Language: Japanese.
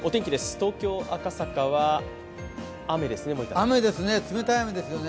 東京・赤坂は雨ですね。